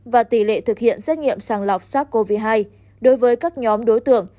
và tỷ lệ thực hiện xét nghiệm sàng lọc sars cov hai đối với các nhóm đối tượng